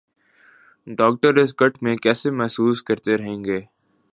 doctor اس کٹ میں کیسے محسوس کرتے رہیں گے